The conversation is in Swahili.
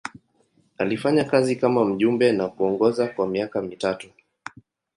Alifanya kazi kama mjumbe na kuongoza kwa miaka mitatu.